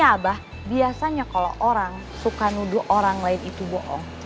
abah biasanya kalau orang suka nuduh orang lain itu bohong